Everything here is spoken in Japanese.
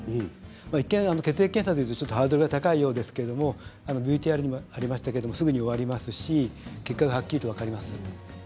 一見、血液検査というとハードルが高いようですけれどＶＴＲにはありましたけれどすぐ終わりますし、結果がはっきりと分かります。